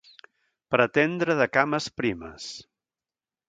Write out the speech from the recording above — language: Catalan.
Pretendre de cames primes.